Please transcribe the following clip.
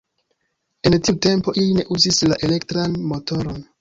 En tiu tempo, ili ne uzis la elektran motoron.